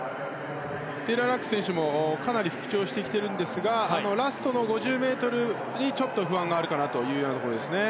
テイラー・ラック選手もかなり復調してきていますがラストの５０ｍにちょっと不安があるかなというところですね。